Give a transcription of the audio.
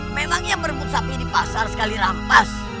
memangnya merebut sapi di pasar sekali rampas